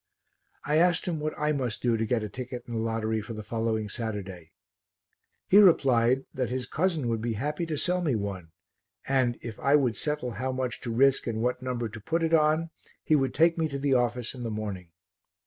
I asked him what I must do to get a ticket in the lottery for the following Saturday. He replied that his cousin would be happy to sell me one and, if I would settle how much to risk and what number to put it on, he would take me to the office in the morning.